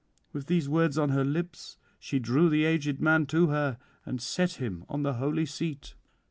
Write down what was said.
With these words on her lips she drew the aged man to her, and set him on the holy seat.